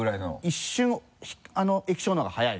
一瞬液晶のほうが速いので。